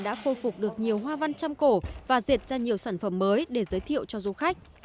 đã khôi phục được nhiều hoa văn trăm cổ và diệt ra nhiều sản phẩm mới để giới thiệu cho du khách